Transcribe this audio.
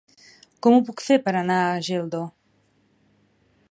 Com ho puc fer per anar a Geldo?